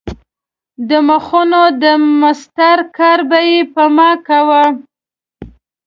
د مخونو د مسطر کار به یې په ما کاوه.